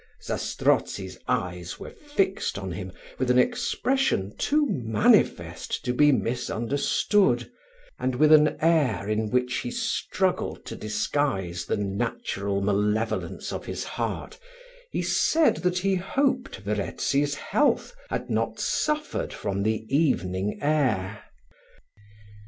Zastrozzi's eyes were fixed on him with an expression too manifest to be misunderstood; and with an air in which he struggled to disguise the natural malevolence of his heart, he said, that he hoped Verezzi's health had not suffered from the evening air.